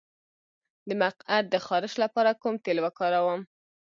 د مقعد د خارش لپاره کوم تېل وکاروم؟